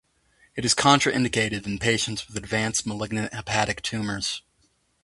It is contraindicated in patients with advanced malignant hepatic tumors.